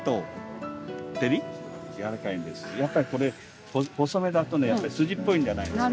やっぱりこれ細めだとねやっぱ筋っぽいんじゃないですか。